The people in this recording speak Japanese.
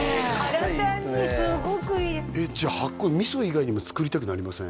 体にすごくいいじゃあ発酵味噌以外にも作りたくなりません？